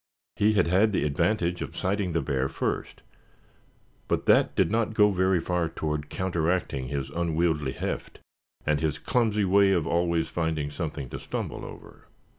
He had had the advantage of sighting the bear first; but that did not go very far toward counteracting his unwieldy heft, and his clumsy way of always finding something to stumble over.